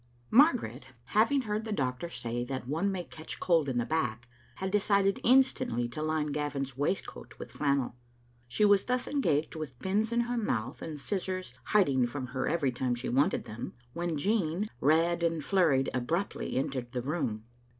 Margaret having heard the doctor say that one may catch cold in the back, had decided instantly to line Gavin's waistcoat with flannel. She was thus engaged, with pins in her mouth and the scissors hiding from her every time she wanted them, when Jean, red and flur ried, abruptly entered the room.